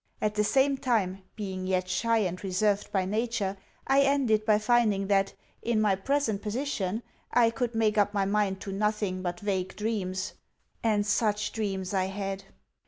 At the same time, being yet shy and reserved by nature, I ended by finding that, in my present position, I could make up my mind to nothing but vague dreams (and such dreams I had).